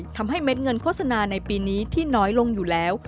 เม็ดเงินโฆษณาในปีนี้ที่น้อยลงอยู่แล้ว